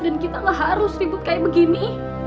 dan kita gak harus ribut kayak begini